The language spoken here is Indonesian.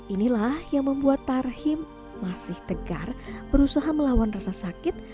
inilah yang membuat tarhim masih tegar berusaha melawan rasa sakit